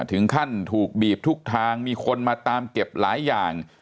ถึงขั้นถูกบีบทุกทางมีคนมาตามเก็บหลายอย่าง